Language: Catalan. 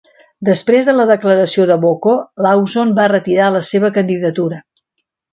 Després de la declaració de Boko, Lawson va retirar la seva candidatura.